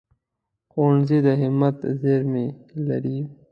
ښوونځی د همت زېرمې لري